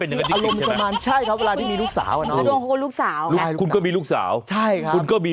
เวลาที่มีลูกสาวครูหลูกสาวคุณก็มีลูกสาวใช่ครับก็มี